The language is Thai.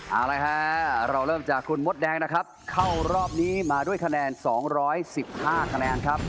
เอาละฮะเราเริ่มจากคุณมดแดงนะครับเข้ารอบนี้มาด้วยคะแนน๒๑๕คะแนนครับ